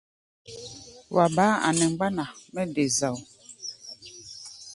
Wa baá a nɛ mgbánda mɛ́ de zao.